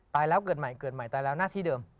แล้วเกิดใหม่เกิดใหม่ตายแล้วหน้าที่เดิม